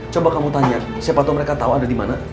coba kamu tanya siapa tau mereka tau ada dimana